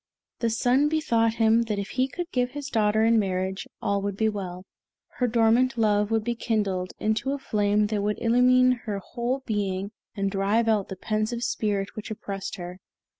The Sun bethought him that if he could give his daughter in marriage, all would be well; her dormant love would be kindled into a flame that would illumine her whole being and drive out the pensive spirit which oppressed her.